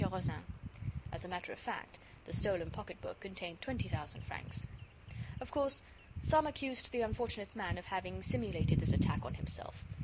Rozaine." As a matter of fact, the stolen pocket book contained twenty thousand francs. Of course, some accused the unfortunate man of having simulated this attack on himself.